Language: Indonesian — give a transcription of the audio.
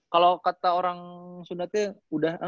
kalau kata orang sunda tuh udah